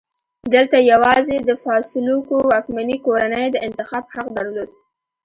دلته یوازې د فاسولوکو واکمنې کورنۍ د انتخاب حق درلود.